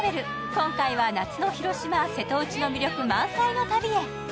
今回は夏の広島、瀬戸内の魅力満載の旅へ。